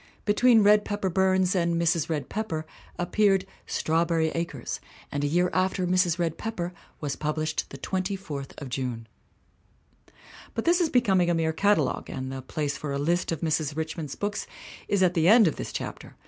Between Red Pepper Burns and Mrs. Red Pepper appeared Strawberry Acres and a 250 THE WOMEN WHO MAKE OUR NOVELS year after Mrs. Red Pepper was published The Twen ty fourth of June. But this is becoming a mere catalogue, and the place for a list of Mrs. Richmond's books is at the end of this chapter.